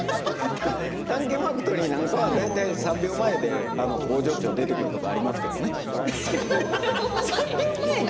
「探検ファクトリー」なんかは３秒前で、工場長出てくるとかありますけどね。